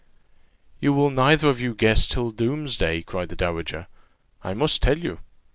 "You will neither of you guess till doomsday!" cried the dowager; "I must tell you.